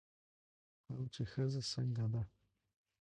هم چې ښځه څنګه ده